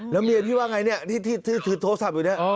แล้วเมียพี่ว่าไงเนี่ยที่ถือโทรศัพท์อยู่เนี่ย